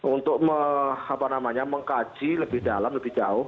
untuk mengkaji lebih dalam lebih jauh